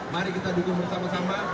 mari kita dukung bersama sama